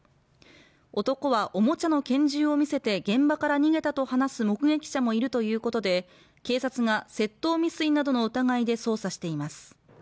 男はおもちゃの拳銃を見せて現場から逃げたと話す目撃者もいるということで、警察が窃盗未遂などの疑いで捜査しています。